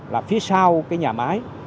là phía sau cái nhà máy